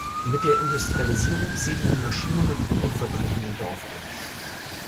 Mit der Industrialisierung siedelten Maschinen- und Uhrenfabriken im Dorf an.